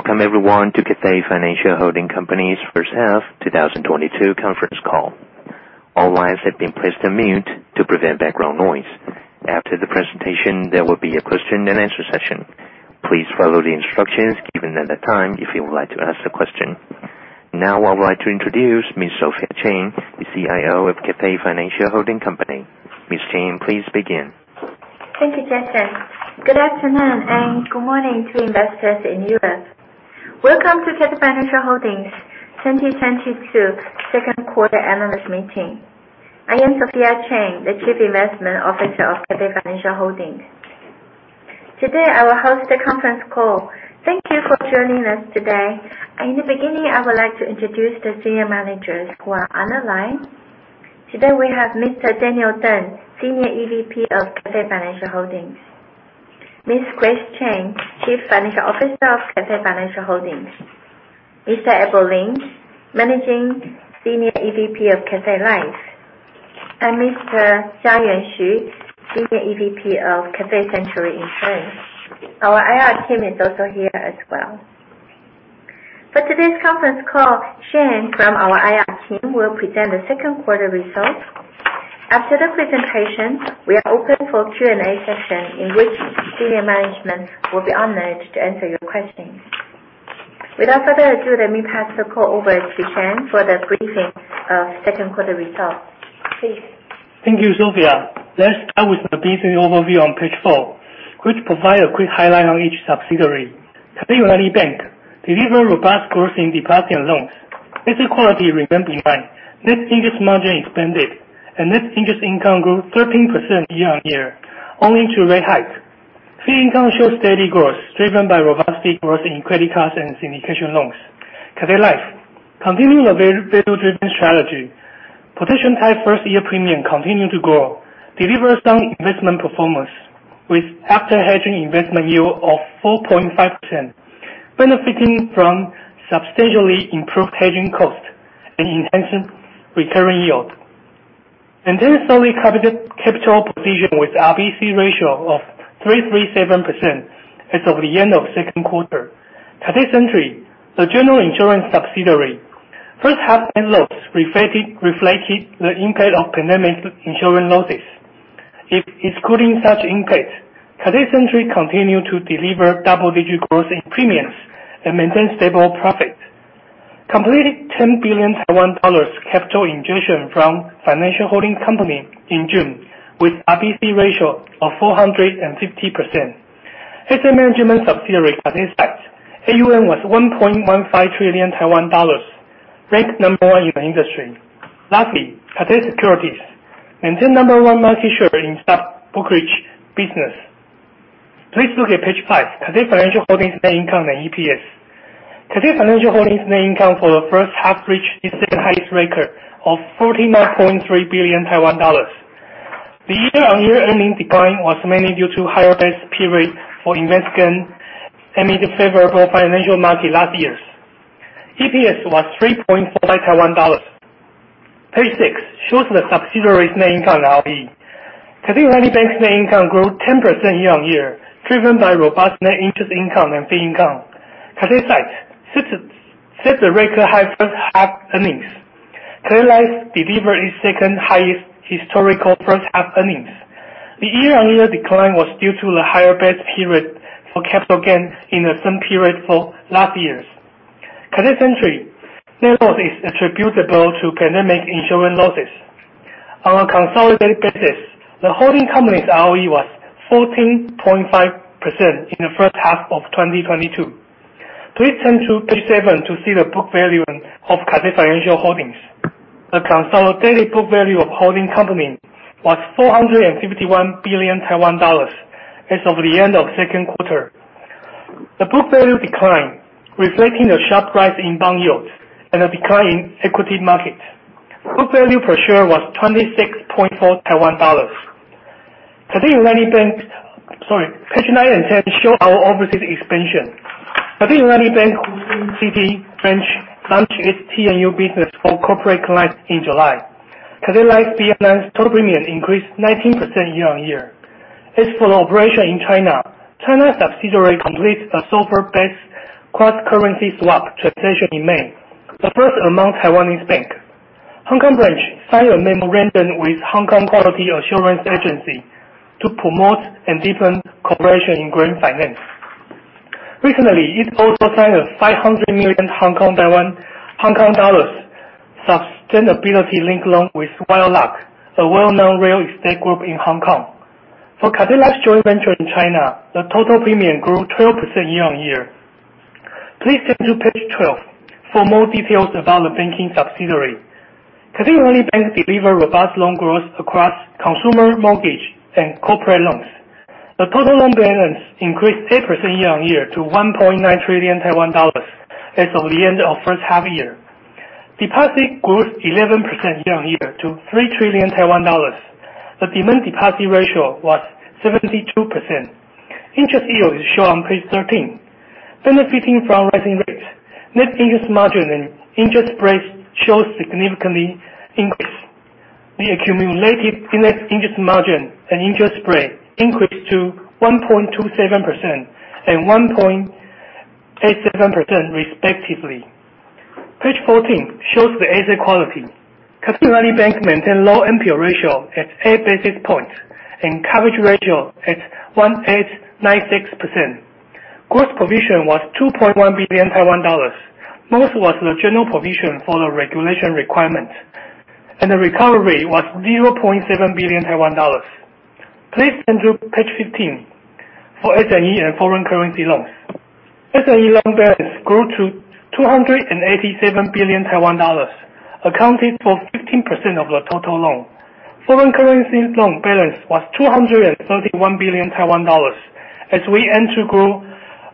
Welcome everyone to Cathay Financial Holding Company's first half 2022 conference call. All lines have been placed on mute to prevent background noise. After the presentation, there will be a question and answer session. Please follow the instructions given at that time if you would like to ask a question. Now, I would like to introduce Ms. Sophia Cheng, the CIO of Cathay Financial Holding Company. Ms. Cheng, please begin. Thank you, Jackson. Good afternoon and good morning to investors in the U.S. Welcome to Cathay Financial Holding's 2022 second quarter analyst meeting. I am Sophia Cheng, the Chief Investment Officer of Cathay Financial Holding. Today, I will host the conference call. Thank you for joining us today. In the beginning, I would like to introduce the senior managers who are on the line. Today we have Mr. Daniel Teng, Senior EVP of Cathay Financial Holding, Ms. Grace Chen, Chief Financial Officer of Cathay Financial Holding, Mr. Abel Lin, Managing Senior EVP of Cathay Life, and Mr. Chia-Yuan Hsu, Senior EVP of Cathay Century Insurance. Our IR team is also here as well. For today's conference call, Shane from our IR team will present the second quarter results. After the presentation, we are open for a Q&A session, in which senior management will be honored to answer your questions. Without further ado, let me pass the call over to Shane for the briefing of second quarter results. Please. Thank you, Sophia. Let's start with the business overview on page four, which provides a quick highlight on each subsidiary. Cathay United Bank delivered robust growth in deposits and loans. Asset quality remained in line. Net interest margin expanded, and net interest income grew 13% year-on-year, owing to rate hike. Fee income shows steady growth, driven by robust growth in credit cards and syndication loans. Cathay Life continued a value-driven strategy. Positioned high first-year premium continued to grow, delivered strong investment performance with after-hedging investment yield of 4.5%, benefiting from substantially improved hedging costs and enhanced recurring yield, and a solid capital position with RBC ratio of 337% as of the end of second quarter. Cathay Century, the general insurance subsidiary, first half net loss reflected the impact of pandemic insurance losses. Excluding such impacts, Cathay Century continued to deliver double-digit growth in premiums and maintain stable profit. Completed 10 billion Taiwan dollars capital injection from Cathay Financial Holding in June, with RBC ratio of 450%. Asset Management subsidiary, Cathay Asset, AUM was 1.15 trillion Taiwan dollars, ranked number one in the industry. Lastly, Cathay Securities maintained number one market share in stock brokerage business. Please look at page five, Cathay Financial Holding net income and EPS. Cathay Financial Holding net income for the first half reached its second highest record of 49.3 billion Taiwan dollars. The year-on-year earnings decline was mainly due to higher base period for investment and the favorable financial market last year. EPS was 3.45 Taiwan dollars. Page six shows the subsidiaries' net income and ROE. Cathay United Bank's net income grew 10% year-on-year, driven by robust net interest income and fee income. Cathay Asset set the record high first half earnings. Cathay Life delivered its second highest historical first half earnings. The year-on-year decline was due to the higher base period for capital gains in the same period for last year. Cathay Century net loss is attributable to pandemic insurance losses. On a consolidated basis, the holding company's ROE was 14.5% in the first half of 2022. Please turn to page seven to see the book value of Cathay Financial Holding. The consolidated book value of holding company was 451 billion Taiwan dollars as of the end of second quarter. The book value declined, reflecting the sharp rise in bond yields and a decline in equity market. Book value per share was 26.4 Taiwan dollars. Page nine and 10 show our overseas expansion. Cathay United Bank Hong Kong branch launched its TMU business for corporate clients in July. Cathay Life Vietnam's total premium increased 19% year-on-year. As for the operation in China subsidiary completed a sovereign-based cross-currency swap transaction in May, the first among Taiwanese banks. Hong Kong branch signed a memorandum with Hong Kong Quality Assurance Agency to promote and deepen cooperation in green finance. Recently, it also signed a 500 million Hong Kong sustainability-linked loan with Wheelock, a well-known real estate group in Hong Kong. For Cathay Life's joint venture in China, the total premium grew 12% year-on-year. Please turn to page 12 for more details about the banking subsidiary. Cathay United Bank delivered robust loan growth across consumer mortgage and corporate loans. The total loan balance increased 8% year-on-year to 1.9 trillion Taiwan dollars as of the end of first half year. Deposit grew 11% year-on-year to 3 trillion Taiwan dollars. The demand deposit ratio was 72%. Interest yield is shown on page 13. Benefiting from rising rates, net interest margin and interest spreads showed significant increase. The accumulated net interest margin and interest spread increased to 1.27% and 1.87% respectively. Page 14 shows the asset quality. Cathay United Bank maintains low NPL ratio at eight basis points and coverage ratio at 1,896%. Gross provision was 2.1 billion Taiwan dollars. Most was the general provision for the regulation requirement, and the recovery was 0.7 billion Taiwan dollars. Please turn to page 15 for SME and foreign currency loans. SME loan balance grew to 287 billion Taiwan dollars, accounted for 15% of the total loan. Foreign currency loan balance was 231 billion Taiwan dollars as we aim to grow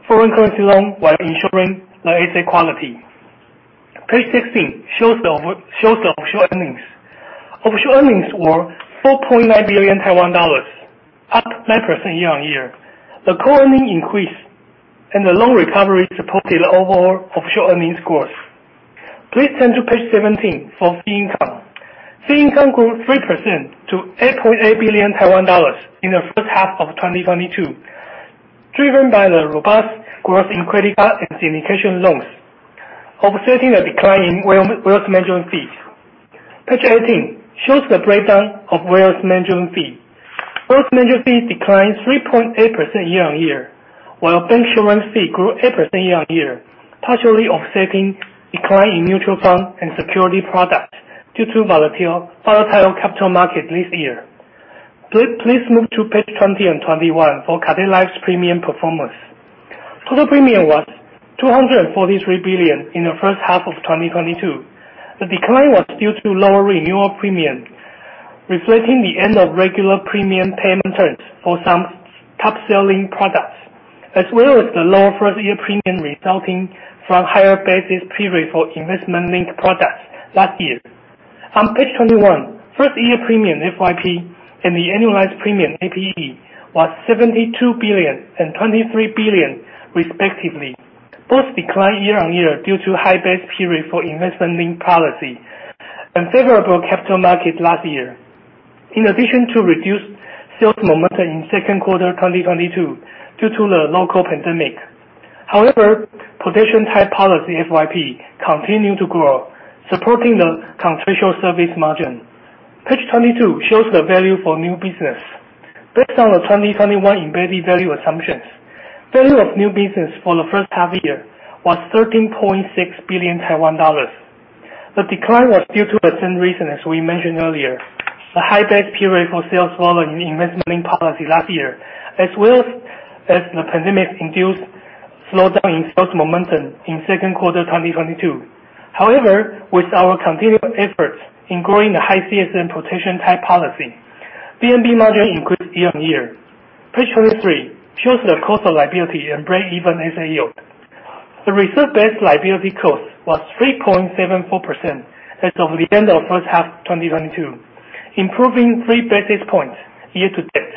foreign currency loan while ensuring the asset quality. Page 16 shows the offshore earnings. Offshore earnings were 4.9 billion Taiwan dollars, up 9% year-on-year. The core earnings increased, the loan recovery supported the overall offshore earnings growth. Please turn to page 17 for fee income. Fee income grew 3% to 8.8 billion Taiwan dollars in the first half of 2022, driven by the robust growth in credit card and syndication loans, offsetting a decline in wealth management fees. Page 18 shows the breakdown of wealth management fee. Wealth management fees declined 3.8% year-on-year, while bancassurance fee grew 8% year-on-year, partially offsetting decline in mutual fund and securities products due to volatile capital market this year. Please move to page 20 and 21 for Cathay Life's premium performance. Total premium was TWD 243 billion in the first half of 2022. The decline was due to lower renewal premium, reflecting the end of regular premium payment terms for some top-selling products, as well as the lower first-year premium resulting from higher base period for investment-linked products last year. On page 21, first-year premium, FYP, and the annualized premium, APE, was 72 billion and 23 billion respectively. Both declined year-on-year due to high base period for investment-linked policy, unfavorable capital market last year. In addition to reduced sales momentum in second quarter 2022 due to the local pandemic. However, protection-type policy, FYP, continued to grow, supporting the contractual service margin. Page 22 shows the value of new business. Based on the 2021 embedded value assumptions, value of new business for the first half year was 13.6 billion Taiwan dollars. The decline was due to the same reason as we mentioned earlier, the high base period for sales following investment-linked policy last year, as well as the pandemic-induced slowdown in sales momentum in second quarter 2022. However, with our continued efforts in growing the high CSM protection-type policy, VNB margin increased year-on-year. Page 23 shows the cost of liability and break-even SA yield. The reserve-base liability cost was 3.74% as of the end of first half 2022, improving three basis points year-to-date.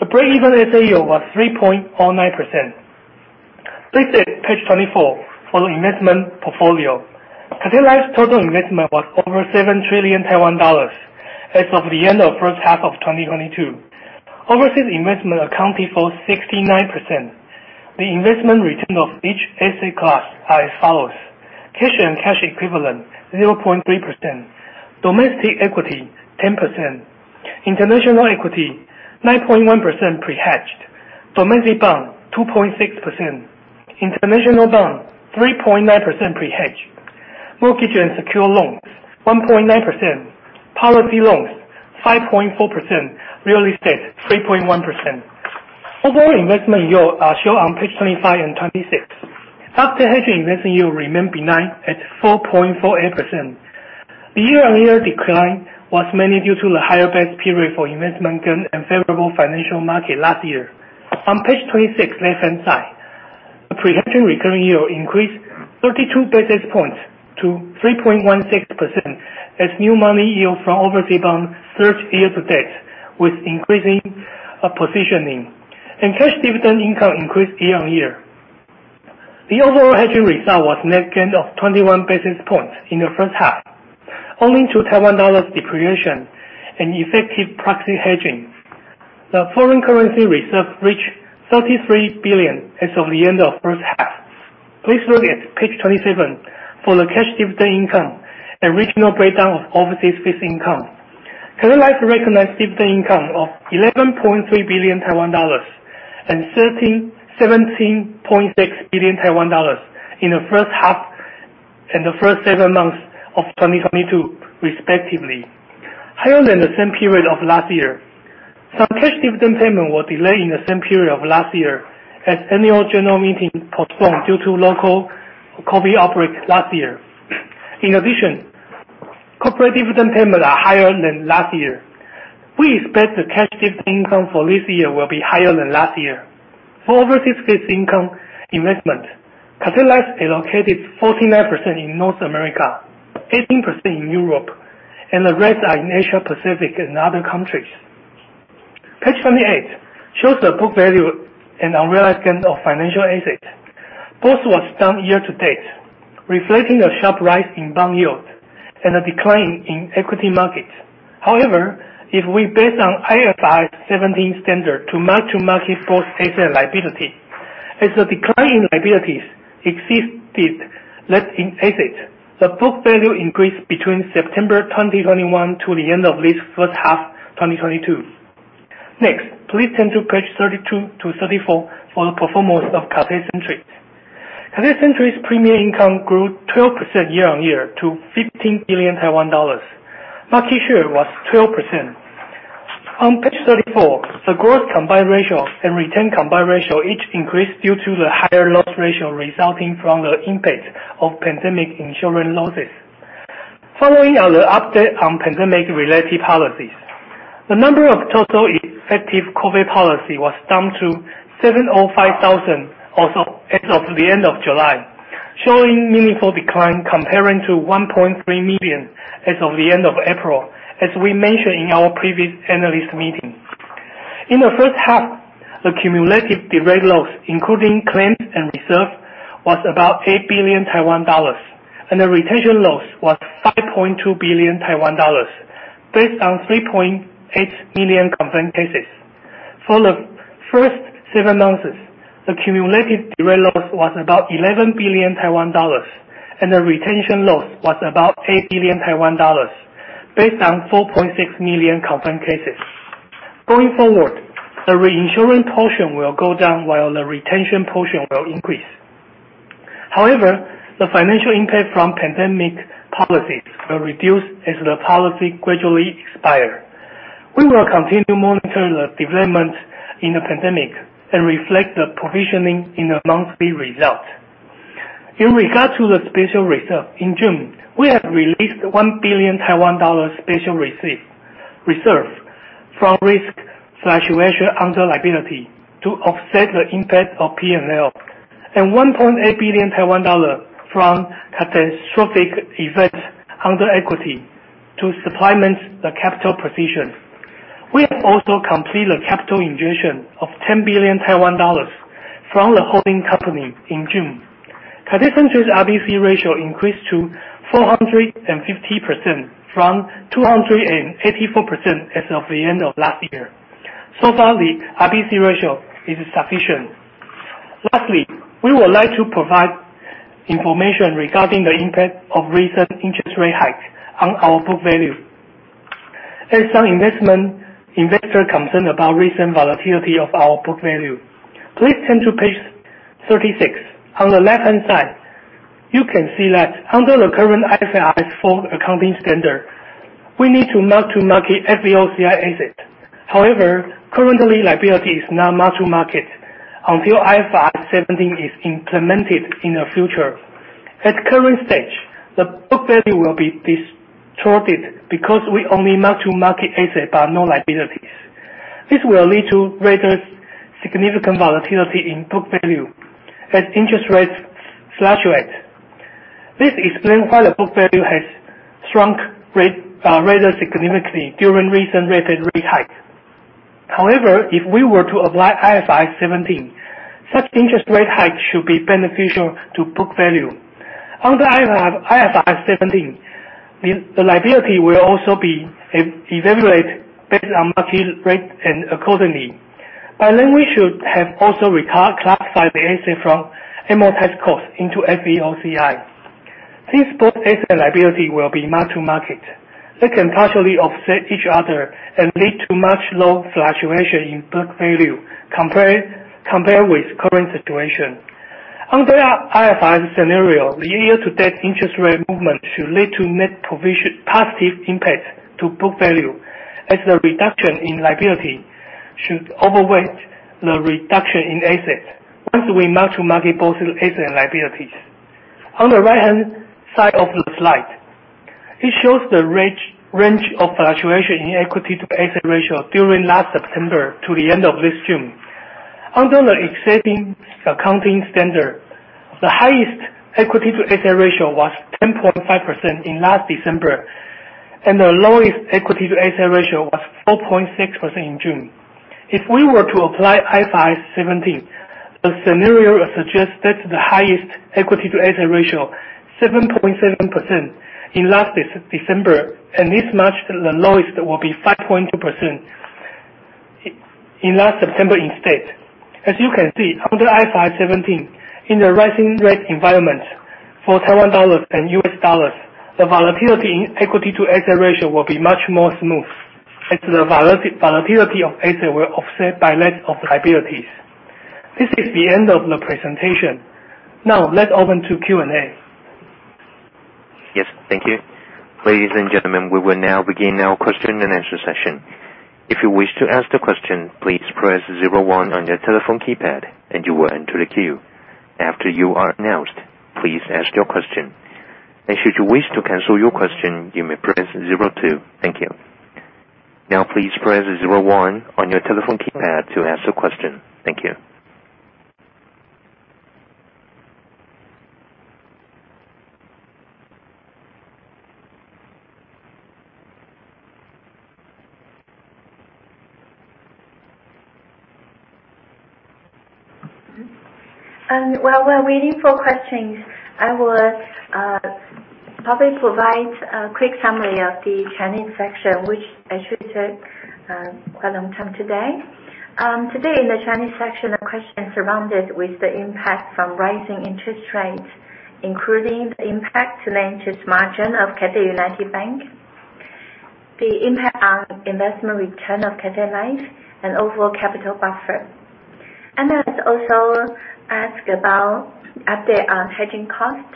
The break-even SA yield was 3.09%. Please see page 24 for the investment portfolio. Cathay Life's total investment was over 7 trillion Taiwan dollars as of the end of first half of 2022. Overseas investment accounted for 69%. The investment return of each asset class are as follows: cash and cash equivalent, 0.3%; domestic equity, 10%; international equity, 9.1% pre-hedged; domestic bond, 2.6%; international bond, 3.9% pre-hedge; mortgage and secured loans, 1.9%; policy loans, 5.4%; real estate, 3.1%. Overall investment yield are shown on page 25 and 26. After hedging, investment yield remained benign at 4.48%. The year-on-year decline was mainly due to the higher base period for investment-linked and favorable financial market last year. On page 26, left-hand side, the presentation recurring yield increased 32 basis points to 3.16% as new money yield from overseas bond surged year-to-date with increasing positioning, and cash dividend income increased year-on-year. The overall hedging result was net gain of 21 basis points in the first half, owing to TWD depreciation and effective proxy hedging. The foreign currency reserve reached 33 billion as of the end of first half. Please look at page 27 for the cash dividend income and regional breakdown of overseas fixed income. Cathay Life recognized dividend income of 11.3 billion Taiwan dollars and 17.6 billion Taiwan dollars in the first seven months of 2022, respectively, higher than the same period of last year. Some cash dividend payment was delayed in the same period of last year as annual general meeting postponed due to local COVID outbreaks last year. In addition, corporate dividend payments are higher than last year. We expect the cash dividend income for this year will be higher than last year. For overseas fixed income investment, Cathay Life allocated 49% in North America, 18% in Europe, and the rest are in Asia Pacific and other countries. Page 28 shows the book value and unrealized gain of financial asset. Both was down year to date, reflecting a sharp rise in bond yield and a decline in equity markets. However, if we base on IFRS 17 standard to mark to market both asset liability, as the decline in liabilities exceeded less in asset, the book value increased between September 2021 to the end of this first half 2022. Next, please turn to page 32 to 34 for the performance of Cathay Century. Cathay Century's premium income grew 12% year on year to 15 billion Taiwan dollars. Market share was 12%. On page 34, the gross combined ratio and retained combined ratio each increased due to the higher loss ratio resulting from the impact of pandemic insurance losses. Following on the update on pandemic-related policies, the number of total effective COVID policy was down to 705,000 as of the end of July, showing meaningful decline comparing to 1.3 million as of the end of April, as we mentioned in our previous analyst meeting. In the first half, the cumulative direct loss, including claims and reserve, was about 8 billion Taiwan dollars, and the retention loss was 5.2 billion Taiwan dollars based on 3.8 million confirmed cases. For the first seven months, the cumulative direct loss was about 11 billion Taiwan dollars, and the retention loss was about 8 billion Taiwan dollars based on 4.6 million confirmed cases. Going forward, the reinsurance portion will go down while the retention portion will increase. However, the financial impact from pandemic policies will reduce as the policy gradually expire. We will continue monitoring the developments in the pandemic and reflect the provisioning in the monthly result. In regard to the special reserve, in June, we have released 1 billion Taiwan dollar special reserve from risk fluctuation under liability to offset the impact of P&L and 1.8 billion Taiwan dollar from catastrophic events under equity to supplement the capital position. We have also completed the capital injection of 10 billion Taiwan dollars from the holding company in June. Cathay Century's RBC ratio increased to 450% from 284% as of the end of last year. So far, the RBC ratio is sufficient. Lastly, we would like to provide information regarding the impact of recent interest rate hike on our book value, as some investor concerned about recent volatility of our book value. Please turn to page 36. On the left-hand side, you can see that under the current IFRS 4 accounting standard, we need to mark to market FVOCI asset. However, currently liability is not mark to market until IFRS 17 is implemented in the future. At current stage, the book value will be distorted because we only mark to market asset but no liabilities. This will lead to greater significant volatility in book value as interest rates fluctuate. This explains why the book value has shrunk rather significantly during recent rate hike. However, if we were to apply IFRS 17, such interest rate hike should be beneficial to book value. Under IFRS 17, the liability will also be evaluated based on market rate and accordingly. By then we should have also reclassified the asset from amortized cost into FVOCI. Since both asset liability will be mark to market, they can partially offset each other and lead to much low fluctuation in book value compared with current situation. Under IFRS scenario, the year-to-date interest rate movement should lead to net positive impact to book value as the reduction in liability should outweigh the reduction in asset once we mark to market both asset and liabilities. On the right-hand side of the slide, it shows the range of fluctuation in equity to asset ratio during last September to the end of this June. Under the existing accounting standard, the highest equity to asset ratio was 10.5% in last December, and the lowest equity to asset ratio was 4.6% in June. If we were to apply IFRS 17, the scenario suggests that the highest equity to asset ratio, 7.7%, in last December, and this match the lowest will be 5.2% in last September instead. As you can see, under IFRS 17, in the rising rate environment for TWD and USD, the volatility in equity to asset ratio will be much more smooth as the volatility of asset will offset by that of liabilities. This is the end of the presentation. Now let's open to Q&A. Yes. Thank you. Ladies and gentlemen, we will now begin our question-and-answer session. If you wish to ask the question, please press 01 on your telephone keypad and you will enter the queue. After you are announced, please ask your question. Should you wish to cancel your question, you may press 02. Thank you. Now, please press 01 on your telephone keypad to ask a question. While we're waiting for questions, I will probably provide a quick summary of the Chinese section, which I should have said quite a long time today. Today in the Chinese section, the questions surrounded with the impact from rising interest rates, including the impact to net interest margin of Cathay United Bank, the impact on investment return of Cathay Life, and overall capital buffer. Analysts also asked about update on hedging cost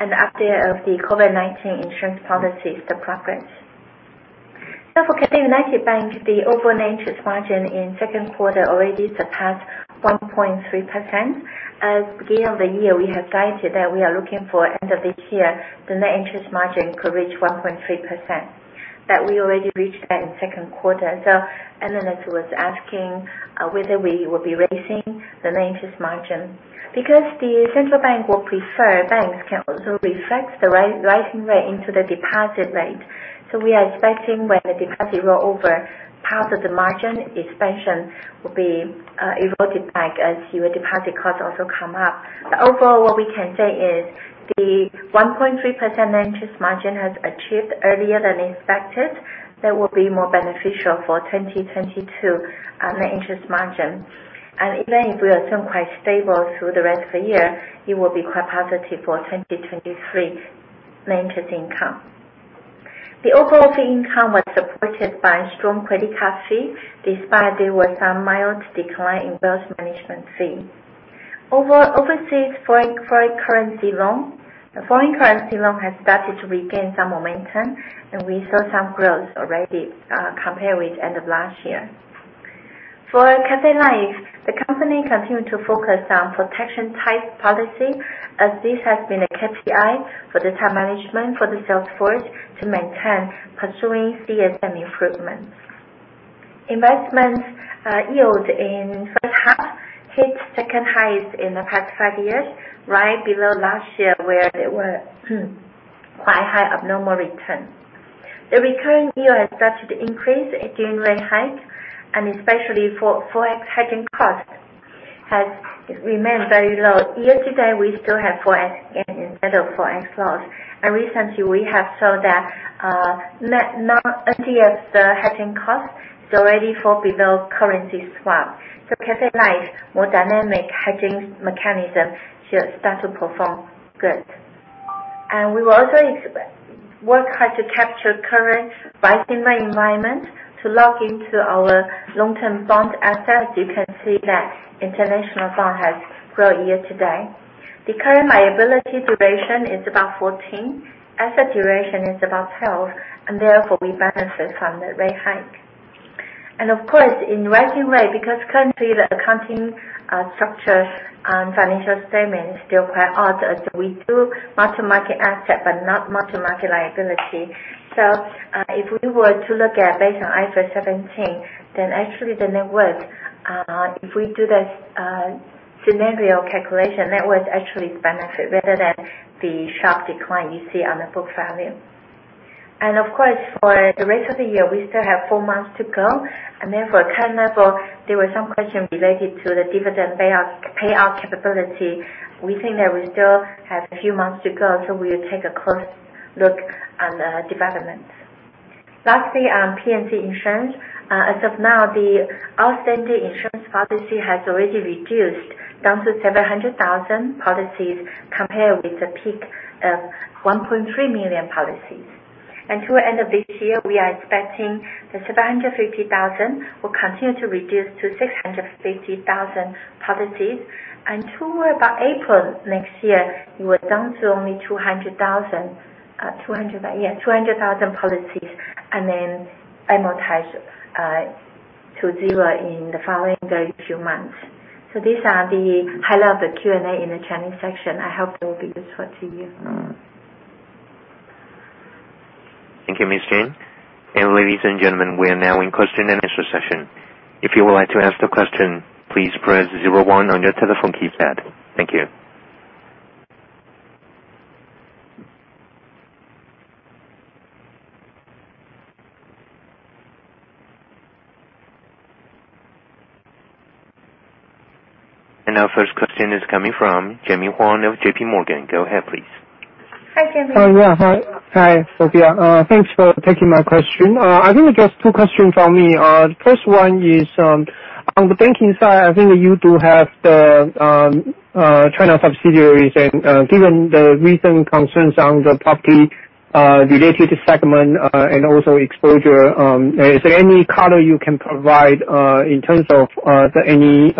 and update of the COVID-19 insurance policies, the progress. For Cathay United Bank, the overall net interest margin in second quarter already surpassed 1.3%. At beginning of the year, we have guided that we are looking for end of this year, the net interest margin could reach 1.3%, that we already reached that in second quarter. Analysts was asking whether we will be raising the net interest margin. Because the central bank will prefer banks can also reflect the rising rate into the deposit rate. We are expecting when the deposit roll over, part of the margin expansion will be eroded back as your deposit cost also come up. Overall, what we can say is the 1.3% net interest margin has achieved earlier than expected. That will be more beneficial for 2022 net interest margin. Even if we are still quite stable through the rest of the year, it will be quite positive for 2023 net interest income. The overall fee income was supported by strong credit card fee, despite there were some mild decline in wealth management fee. Overseas foreign currency loan has started to regain some momentum, and we saw some growth already, compared with end of last year. For Cathay Life, the company continued to focus on protection type policy as this has been a KPI for the time management for the sales force to maintain pursuing CSM improvements. Investments yield in first half hit second highest in the past five years, right below last year where there were quite high abnormal return. The recurring yield is expected to increase again rate hike and especially for FX hedging cost has remained very low. Year to date, we still have FX gain instead of FX loss. Recently we have saw that CS hedging cost is already fall below currency swap. Cathay Life, more dynamic hedging mechanism should start to perform good. We will also work hard to capture current rising rate environment to lock into our long-term bond assets. You can see that international bond has grown year to date. The current liability duration is about 14, asset duration is about 12, and therefore we benefit from the rate hike. Of course, in rising rate, because currently the accounting structure on financial statement is still quite odd, as we do mark to market asset, but not mark to market liability. If we were to look at based on IFRS 17, then actually the net worth, if we do the scenario calculation, net worth actually benefit rather than the sharp decline you see on the book value. Of course, for the rest of the year, we still have four months to go. For current level, there were some question related to the dividend payout capability. We think that we still have a few months to go, we'll take a close look on the developments. Lastly, on P&C Insurance. As of now, the outstanding insurance policy has already reduced down to 700,000 policies compared with the peak of 1.3 million policies. Toward end of this year, we are expecting the 750,000 will continue to reduce to 650,000 policies. Toward about April next year, it will down to only 200,000 policies, and then amortize to zero in the following very few months. These are the highlight of the Q&A in the Chinese section. I hope it will be useful to you. Thank you, Ms. Jin. Ladies and gentlemen, we are now in question and answer session. If you would like to ask the question, please press zero one on your telephone keypad. Thank you. Our first question is coming from Jimmy Huang of JP Morgan. Go ahead, please. Hi, Jimmy. Hi, Sophia. Thanks for taking my question. I think just two questions from me. First one is, on the banking side, I think you do have the China subsidiaries and given the recent concerns on the property related segment, and also exposure, is there any color you can provide, in terms of any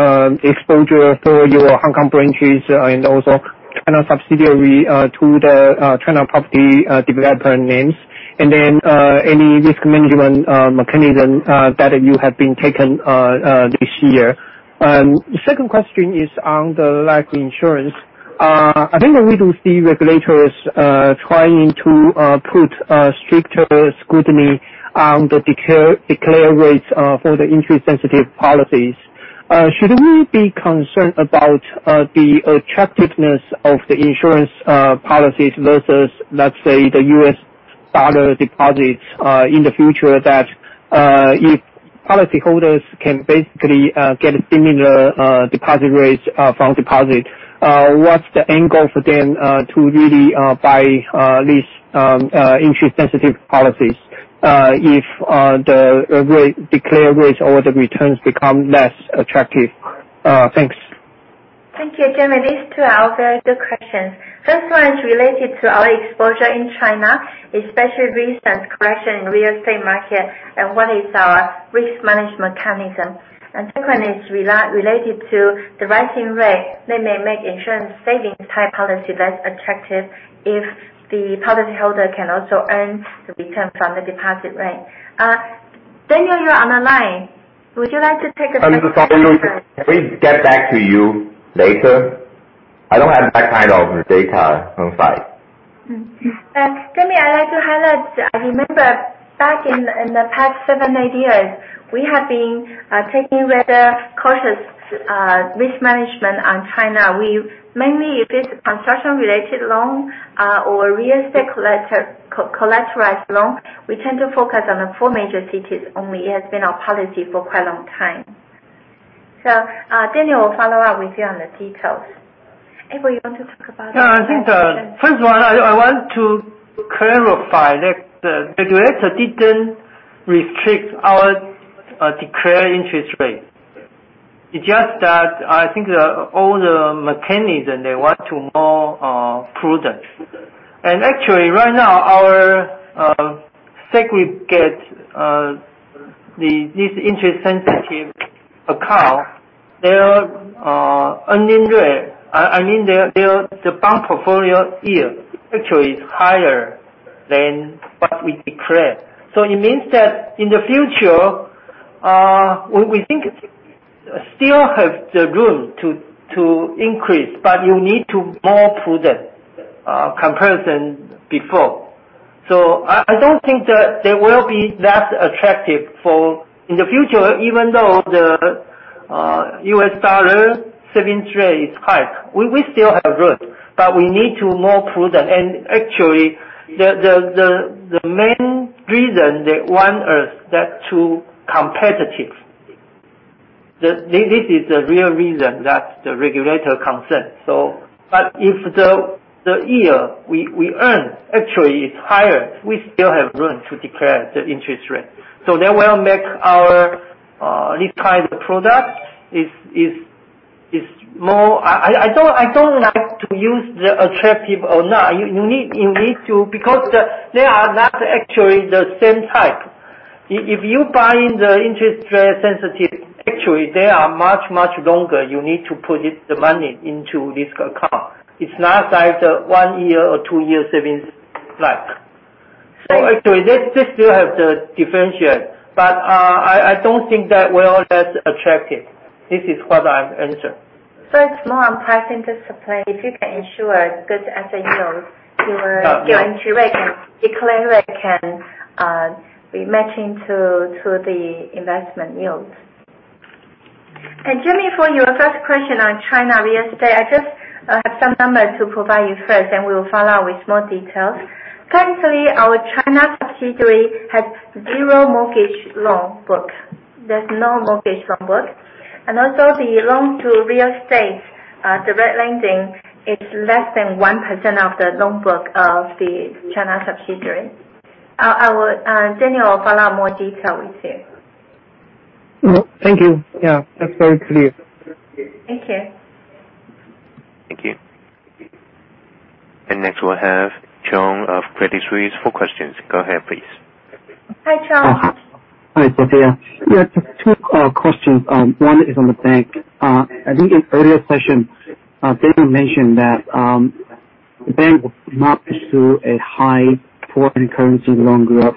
exposure for your Hong Kong branches and also China subsidiary, to the China property developer names? Then, any risk management mechanism that you have been taken this year? The second question is on the life insurance. I think that we do see regulators trying to put stricter scrutiny on the declare rates for the interest-sensitive policies. Should we be concerned about the attractiveness of the insurance policies versus, let's say, the US dollar deposits in the future, that if policyholders can basically get similar deposit rates from deposit, what's the angle for them to really buy these interest-sensitive policies if the declared rates or the returns become less attractive? Thanks. Thank you, Jimmy. These two are very good questions. First one is related to our exposure in China, especially recent correction in real estate market, and what is our risk management mechanism. Second is related to the rising rate that may make insurance savings type policy less attractive if the policyholder can also earn the return from the deposit rate. Daniel, you're on the line. Would you like to take. Can we get back to you later? I don't have that kind of data on site. Jimmy, I'd like to highlight, I remember back in the past seven, eight years, we have been taking rather cautious risk management on China. We mainly if it's construction-related loan or real estate collateralized loan, we tend to focus on the four major cities only. It has been our policy for quite a long time. Daniel will follow up with you on the details. Edward, you want to talk about that? I think the first one, I want to clarify that the regulator didn't restrict our declared interest rate. It's just that I think all the mechanism, they want to more prudent. Actually, right now our segment get this interest-sensitive account, their earning rate, I mean, the bond portfolio yield, actually is higher than what we declared. It means that in the future, we think still have the room to increase, but you need to more prudent comparison before. I don't think that they will be less attractive for in the future even though the US dollar savings rate is high. We still have growth, but we need to more prudent. Actually, the main reason they want us that too competitive. This is the real reason that the regulator concern. If the year we earn actually is higher, we still have room to declare the interest rate. They will make our least high product is more I don't like to use the attractive or not. You need to, because they are not actually the same type. If you buy in the interest-sensitive, actually they are much, much longer you need to put it the money into this account. It's not like the one-year or two-year savings like. Actually they still have the differentiate, but I don't think that we're less attractive. This is what I answer. It's more on pricing discipline. If you can ensure good asset yields, your entry rate can declare, it can be matching to the investment yields. Jimmy, for your first question on China real estate, I just have some numbers to provide you first, and we will follow with more details. Currently, our China subsidiary has zero mortgage loan book. There's no mortgage loan book. Also the loan to real estate, direct lending is less than 1% of the loan book of the China subsidiary. Daniel will follow up more detail with you. Thank you. That's very clear. Thank you. Thank you. Next we'll have Chong of Credit Suisse for questions. Go ahead please. Hi, Chong. Hi, Sophia. Yeah, just two questions. One is on the bank. I think in earlier session, David mentioned that the bank will not pursue a high foreign currency loan growth,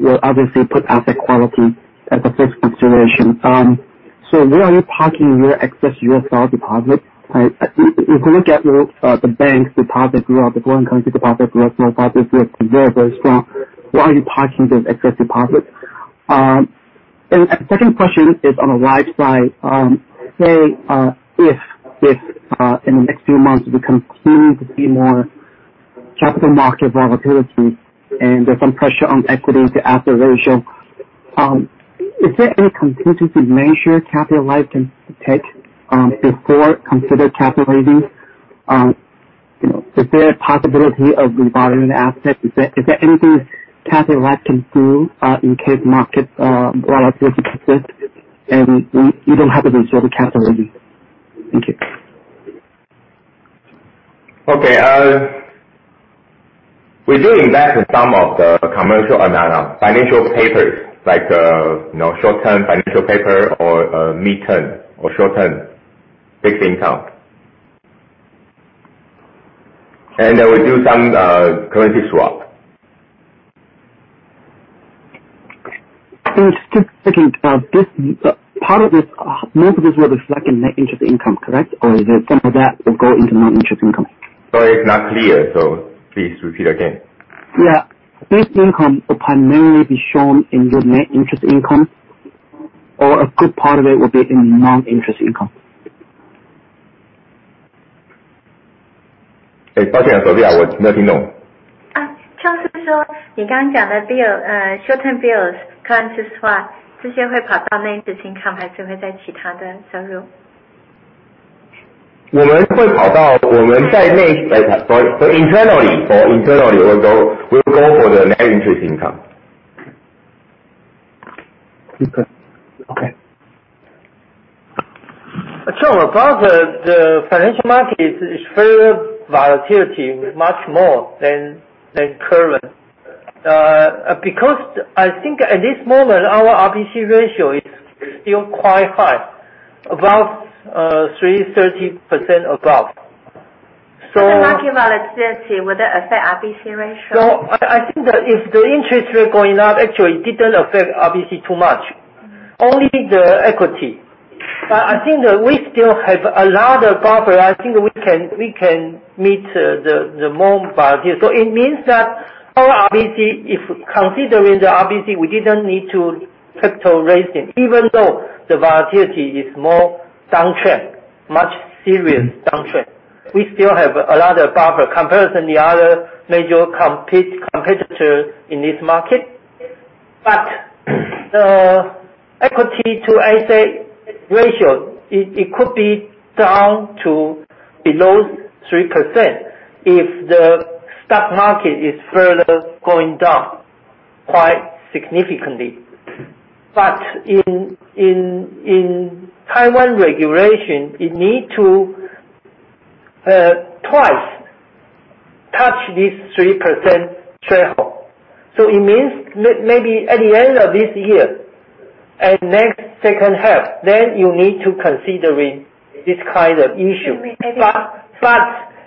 will obviously put asset quality as the first consideration. Where are you parking your excess U.S. dollar deposit? If you look at the bank's deposit growth, the foreign currency deposit growth, your deposit growth is very, very strong. Why are you parking those excess deposits? Second question is on the life side. Say, if in the next few months, we continue to see more capital market volatility and there's some pressure on equity to asset ratio, is there any contingency measure Cathay Life can take before consider capital raising? Is there a possibility of revolving the asset? Is there anything Cathay Life can do in case market volatility persist, and you don't have to resort to capital raising? Thank you. Okay. We do invest in some of the commercial financial papers, like short-term financial paper or mid-term or short-term fixed income. We do some currency swap. Just thinking of this, part of this, most of this will reflect in net interest income, correct? Or is there some of that will go into non-interest income? Sorry, it is not clear, please repeat again. Yeah. This income will primarily be shown in your net interest income or a good part of it will be in non-interest income? Okay. Apart the financial market is further volatility much more than current. I think at this moment our RBC ratio is still quite high, about 330% above. Market volatility will affect RBC ratio? I think that if the interest rate going up, actually it didn't affect RBC too much, only the equity. I think that we still have a lot of buffer. I think we can meet the more volatility. It means that our RBC, if considering the RBC, we didn't need to capital raising even though the volatility is more downtrend, much serious downtrend. We still have a lot of buffer compared to the other major competitors in this market. Equity to asset ratio, it could be down to below 3% if the stock market is further going down quite significantly. In Taiwan regulation, it need to twice touch this 3% threshold. It means maybe at the end of this year and next second half, then you need to considering this kind of issue.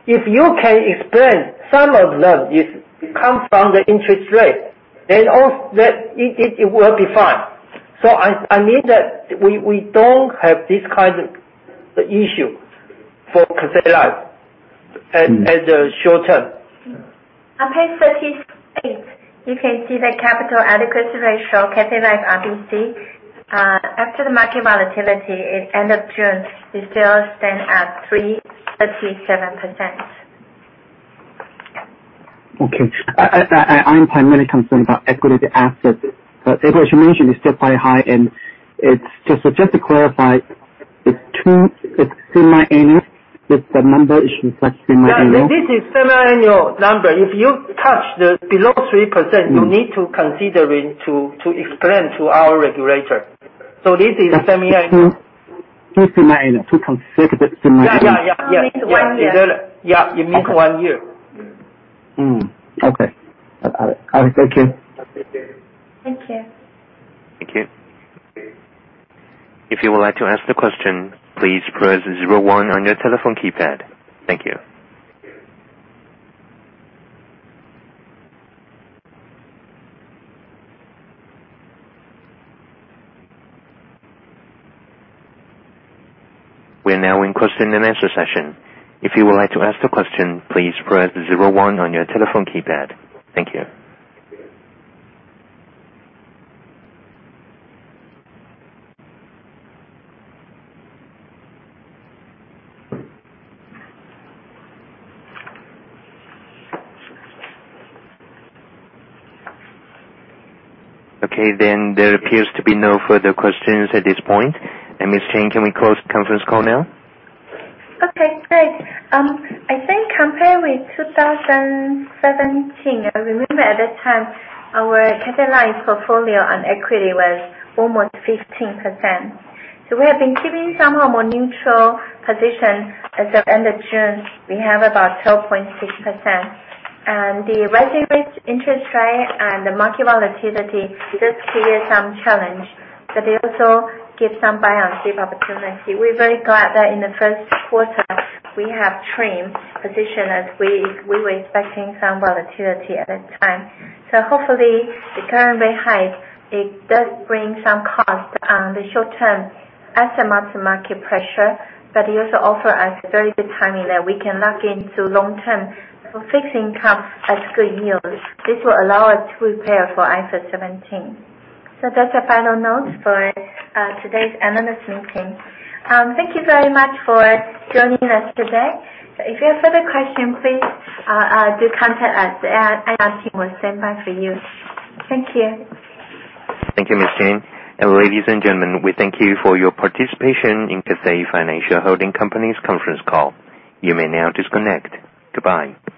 If you can explain some of them, it come from the interest rate, then it will be fine. I mean that we don't have this kind of issue for Cathay Life as a short-term. On page 36, you can see the capital adequacy ratio, Cathay Life RBC. After the market volatility at end of June, it still stand at 337%. Okay. I'm primarily concerned about equity assets. As you mentioned, it's still quite high and just to clarify the two, it's semiannual, the number is like semiannual? This is semiannual number. If you touch the below 3%, you need to considering to explain to our regulator. This is a semiannual. Two semiannual. Yeah. It means one year. Yeah, it means one year. Okay. All right. Thank you. Thank you. Thank you. Thank you. If you would like to ask the question, please press zero one on your telephone keypad. Thank you. We are now in question and answer session. If you would like to ask the question, please press zero one on your telephone keypad. Thank you. Okay, there appears to be no further questions at this point. Ms. Chang, can we close the conference call now? Okay, great. I think compared with 2017, I remember at that time our Cathay Life portfolio on equity was almost 15%. We have been keeping somehow more neutral position. As of end of June, we have about 12.6%. The rising rates interest rate and the market volatility did create some challenge, but they also give some buy and keep opportunity. We are very glad that in the first quarter we have trimmed position as we were expecting some volatility at that time. Hopefully the current rate hike, it does bring some cost on the short term as a mark to market pressure, but it also offer us very good timing that we can lock into long-term for fixed income at good yields. This will allow us to prepare for IFRS 17. That's a final note for today's analyst meeting. Thank you very much for joining us today. If you have further question, please do contact us and our team will stand by for you. Thank you. Thank you, Ms. Chang. Ladies and gentlemen, we thank you for your participation in Cathay Financial Holding Company's conference call. You may now disconnect. Goodbye.